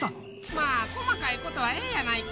まあ細かいことはええやないか。